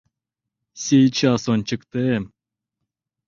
— Сейчас ончыктем!